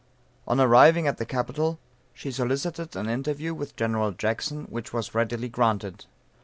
On arriving at the capital, she solicited an interview with General Jackson, which was readily granted.